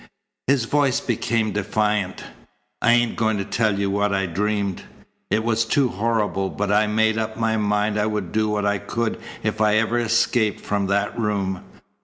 His voice became defiant. "I ain't going to tell you what I dreamed. It was too horrible, but I made up my mind I would do what I could if I ever escaped from that room.